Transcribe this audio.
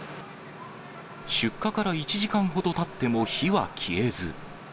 出火から１時間ほどたっても火は消えず。